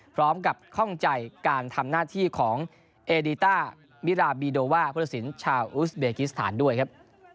พร้อมกับข้องใจการทำหน้าที่ของเอดีต้ามิราบีโดว่าพุทธศิลป์ชาวอุสเบกิสถานด้วยครับ